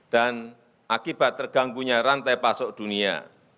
dan akibat terganggu rantai pasok dunia